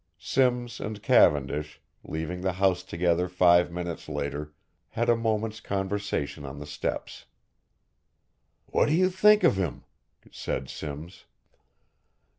Simms and Cavendish, leaving the house together five minutes later, had a moment's conversation on the steps. "What do you think of him?" said Simms.